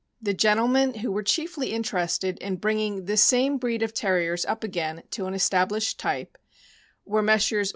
The gentlemen who were chiefly interested in bringing this same breed of Terriers up again to an established type were Messrs.